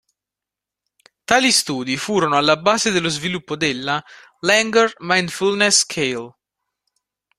Tali studi furono alla base dello sviluppo della "Langer Mindfulness Scale".